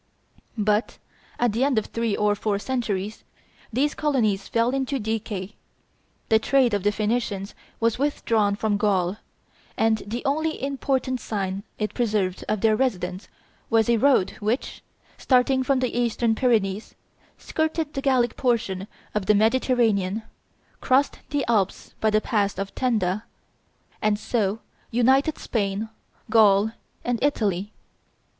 But, at the end of three or four centuries, these colonies fell into decay; the trade of the Phoenicians was withdrawn from Gaul, and the only important sign it preserved of their residence was a road which, starting from the eastern Pyrenees, skirted the Gallic portion of the Mediterranean, crossed the Alps by the pass of Tenda, and so united Spain, Gaul, and Italy.